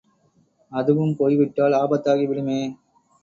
அதுவும் போய்விட்டால் ஆபத்தாகிவிடுமே!